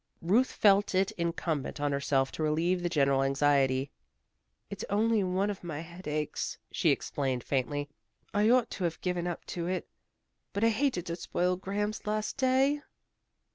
Ruth felt it incumbent on herself to relieve the general anxiety. "It's only one of my headaches," she explained faintly. "I ought to have given up to it. But I hated to spoil Graham's last day."